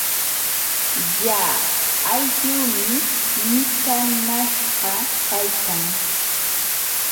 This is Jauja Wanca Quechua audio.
Lla aylluumi mikanaśhqa kaykan.